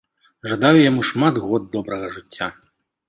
Жадаю яму шмат год добрага жыцця!